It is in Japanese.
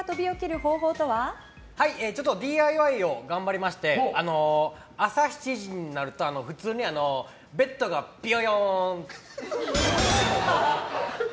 ＤＩＹを頑張りまして朝７時になると普通にベッドがびよよーん！